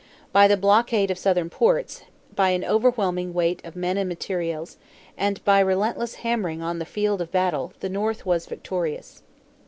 By the blockade of Southern ports, by an overwhelming weight of men and materials, and by relentless hammering on the field of battle, the North was victorious.